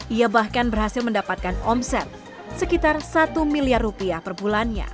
ia bahkan berhasil mendapatkan omset sekitar satu miliar rupiah per bulannya